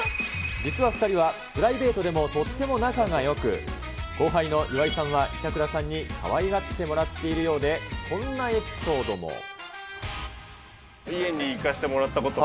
実は２人はプライベートでもとっても仲がよく、後輩の岩井さんは、板倉さんにかわいがってもらってるようで、こんなエピソードも。